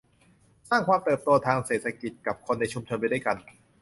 สร้างความเติบโตทางเศรษฐกิจกับคนในชุมชนไปด้วยกัน